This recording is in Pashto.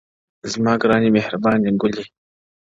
• زما گراني مهرباني گلي ،